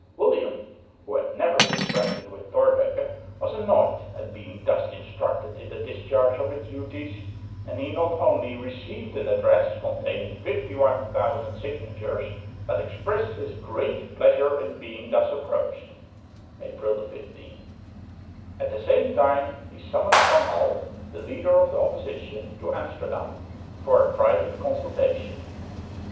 William, who had never been friendly to Thorbecke, was annoyed at being thus instructed in the discharge of his duties; and he not only received an address containing 51,000 signatures but expressed his great pleasure in being thus approached (April 15). At the same time he summoned Van Hall, the leader of the opposition, to Amsterdam for a private consultation.